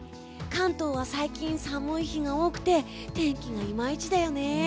関東は最近、寒い日が多くて天気がいまいちだよね。